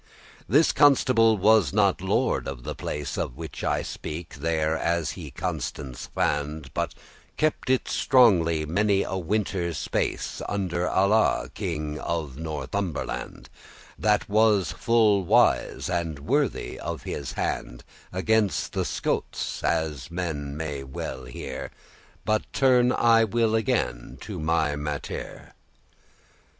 This Constable was not lord of the place Of which I speak, there as he Constance fand,* *found But kept it strongly many a winter space, Under Alla, king of Northumberland, That was full wise, and worthy of his hand Against the Scotes, as men may well hear; But turn I will again to my mattere.